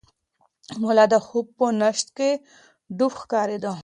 ملا د خوب په نشه کې ډوب ښکارېده.